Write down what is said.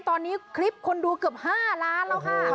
ตอนนี้คลิปคนดูเกือบ๕ล้านแล้วค่ะ